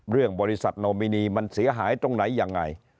เรื่องบริษัทโนมินีมันเสียหายตรงไหนยังไง